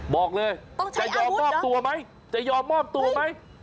บอกเลยจะยอมมอบตัวไหม